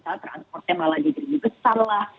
misalnya transportnya malah jadi lebih besar lah